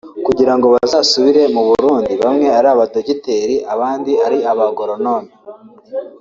kugira ngo bazasubire mu Burundi bamwe ari abadogiteri abandi ari abagoronome